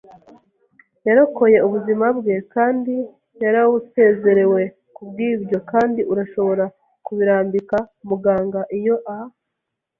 yarokoye ubuzima bwe, kandi yarawusezerewe kubwibyo, kandi urashobora kubirambika. Muganga, iyo a